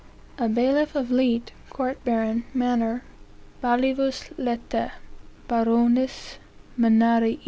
"A bailiff of a Leet, Court baron, Manor, Balivus Letae, Baronis, Manerii.